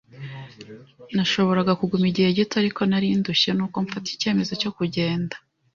Nashoboraga kuguma igihe gito, ariko nari ndushye, nuko mfata icyemezo cyo kugenda.